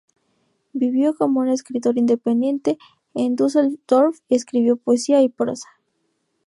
Vivió como un escritor independiente en Düsseldorf y escribió poesía y prosa.